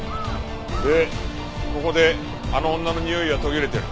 でここであの女のにおいが途切れてる。